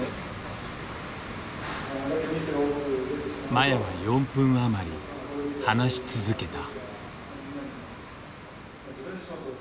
麻也は４分余り話し続けた。